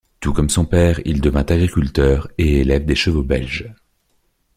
Tout comme son père il devient agriculteur et élève des chevaux belges.